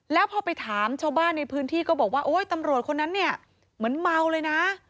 แล้วพอไปถามชาวบ้านในพื้นที่ก็บอกว่าโอ๊ยตำรวจคนนั้นเนี่ยเหมือนเมาเลยนะ